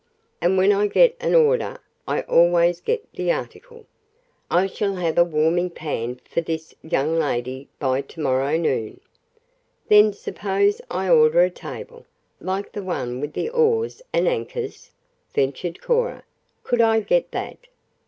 "And when I get an order I always get the article. I shall have a warming pan for this young lady by to morrow noon." "Then suppose I order a table, like the one with the oars and anchors?" ventured Cora. "Could I get that?"